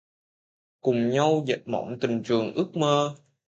Cùng nhau dệt mộng tình trường ước mơ.